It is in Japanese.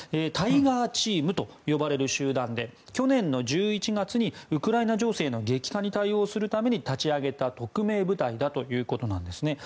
タイガーチームと呼ばれる集団で去年の１１月にウクライナ情勢の激化に対応するために立ち上げた特命部隊だということなんです。